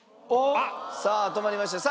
さあ止まりました。